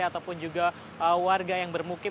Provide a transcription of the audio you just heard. ataupun juga warga yang bermukim